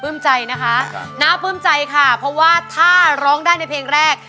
ใจนะคะน้าปลื้มใจค่ะเพราะว่าถ้าร้องได้ในเพลงแรก